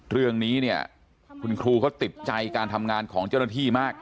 เรื่องนี้เนี่ยคุณครูเขาติดใจการทำงานของเจ้าหน้าที่มาก